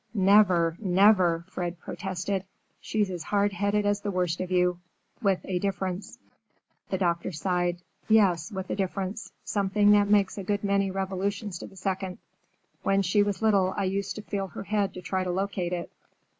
"Never, never!" Fred protested. "She's as hard headed as the worst of you—with a difference." The doctor sighed. "Yes, with a difference; something that makes a good many revolutions to the second. When she was little I used to feel her head to try to locate it."